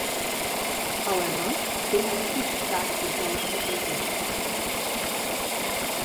However, they have switched back to Johnson Controls.